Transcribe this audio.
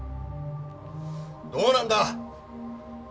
どうなんだ？